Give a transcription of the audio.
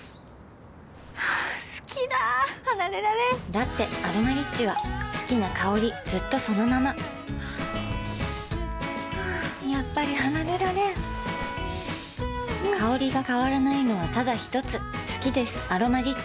好きだ離れられんだって「アロマリッチ」は好きな香りずっとそのままやっぱり離れられん香りが変わらないのはただひとつ好きです「アロマリッチ」